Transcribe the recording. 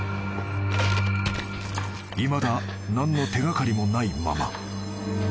［いまだ何の手掛かりもないまま］